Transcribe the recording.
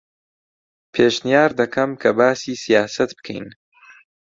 پێشنیار دەکەم کە باسی سیاسەت بکەین.